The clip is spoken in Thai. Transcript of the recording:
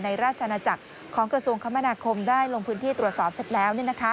ราชนาจักรของกระทรวงคมนาคมได้ลงพื้นที่ตรวจสอบเสร็จแล้ว